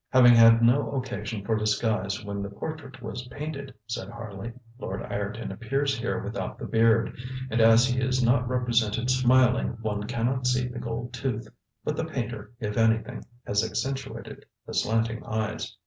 ŌĆ£Having had no occasion for disguise when the portrait was painted, ŌĆØ said Harley, ŌĆ£Lord Ireton appears here without the beard; and as he is not represented smiling one cannot see the gold tooth. But the painter, if anything, has accentuated the slanting eyes.